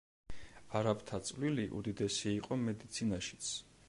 არაბთა წვლილი უდიდესი იყო მედიცინაშიც.